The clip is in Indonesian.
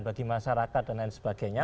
bagi masyarakat dan lain sebagainya